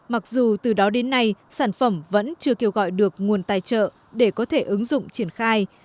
mặc dù từ đó đến nay sản phẩm vẫn chưa kêu gọi được nguồn tài trợ để có thể ứng dụng triển khai